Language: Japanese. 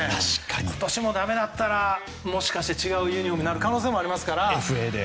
今年もだめだったらもしかして違うユニホームになる可能性もあるので。